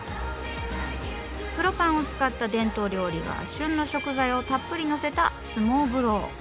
黒パンを使った伝統料理が旬の食材をたっぷりのせたスモーブロー。